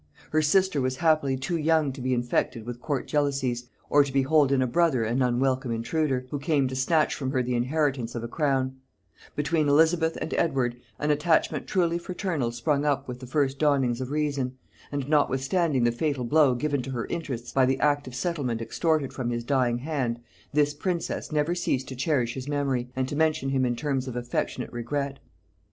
Her sister was happily too young to be infected with court jealousies, or to behold in a brother an unwelcome intruder, who came to snatch from her the inheritance of a crown: between Elizabeth and Edward an attachment truly fraternal sprung up with the first dawnings of reason; and notwithstanding the fatal blow given to her interests by the act of settlement extorted from his dying hand, this princess never ceased to cherish his memory, and to mention him in terms of affectionate regret.